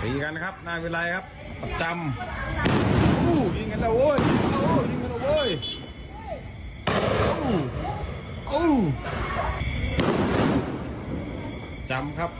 พลีกันนะครับหน้าวิทยาลัยครับทำนะครับ